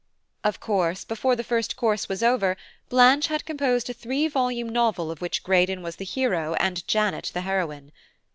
Of course, before the first course was over, Blanche had composed a three volume novel of which Greydon was the hero and Janet the heroine.